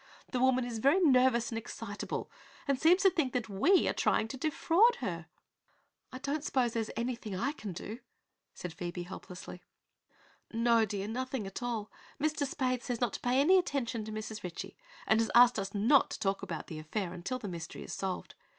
The woman is very nervous and excitable and seems to think we are trying to defraud her." "I I don't suppose there is anything I can do?" said Phoebe helplessly. "No, dear; nothing at all. Mr. Spaythe says not to pay any attention to Mrs. Ritchie and has asked us not to talk about the affair until the mystery is solved.